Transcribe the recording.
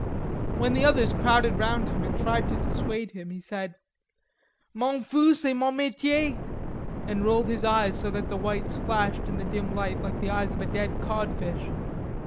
When the others crowded round him and tried to dissuade him, he said: "M'en fous, c'est mon metier," and rolled his eyes so that the whites flashed in the dim light like the eyes of dead codfish.